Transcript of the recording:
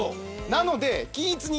なので。